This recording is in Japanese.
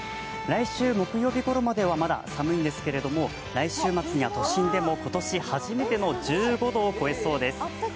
来週木曜日ごろまではまだ寒いんですけれども、来週末には都心でも今年初めての１５度を超えそうです。